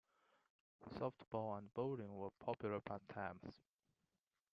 Softball and bowling were popular pastimes.